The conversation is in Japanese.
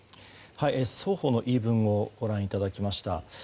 双方の言い分をご覧いただきました。